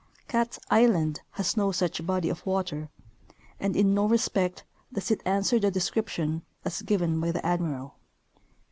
Cat island has no such body of water, and in no respect does it answer the description as given by the admiral.